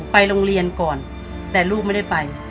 ไปโรงเรียนก่อนแต่ลูกไม่ได้ไป